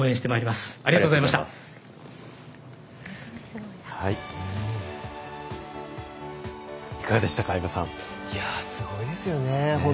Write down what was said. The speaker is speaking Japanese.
すごいですよね。